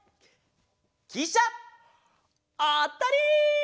きしゃ！あったり！